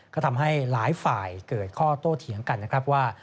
ก็ทำให้หลายฝ่ายเกิดข้อโตเถียงกันนะครับว่า